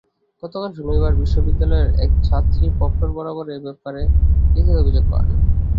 গতকাল শনিবার বিশ্ববিদ্যালয়ের এক ছাত্রী প্রক্টর বরাবরে এ ব্যাপারে লিখিত অভিযোগ করেন।